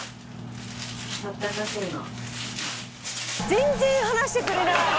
全然話してくれない！